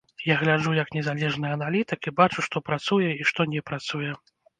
Я гляджу як незалежны аналітык і бачу, што працуе і што не працуе.